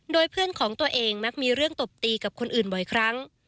โดยเพื่อนของตัวเองมักมีเรื่องตบตีกับคนอื่นบ่อยครั้ง